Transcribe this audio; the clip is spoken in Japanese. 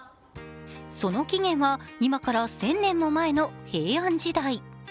その起源は今から１０００年も前の平安時代。